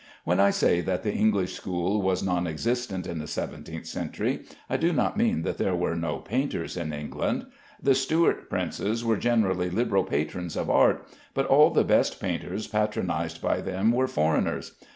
When I say that the English school was non existent in the seventeenth century, I do not mean that there were no painters in England. The Stuart princes were generally liberal patrons of art, but all the best painters patronized by them were foreigners.